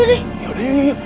yaudah yuk yuk yuk